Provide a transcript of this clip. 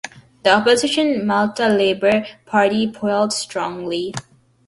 The opposition Malta Labour Party polled strongly.